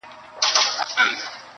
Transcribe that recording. خو د هر چا ذهن کي درد پاته وي-